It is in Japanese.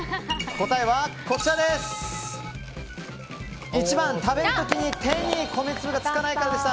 答えは、２番、食べる時に手に米粒がつかないからでした。